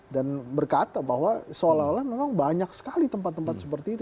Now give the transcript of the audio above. dan berkata bahwa seolah olah memang banyak sekali tempat tempat seperti itu